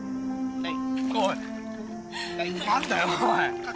はい！